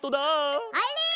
あれ！？